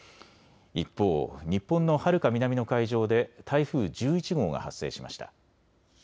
一方、日本のはるか南の海上で台風１１号が発生しました。